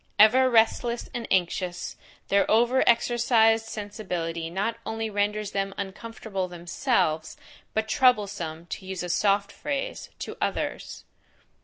Ever restless and anxious, their over exercised sensibility not only renders them uncomfortable themselves, but troublesome, to use a soft phrase, to others.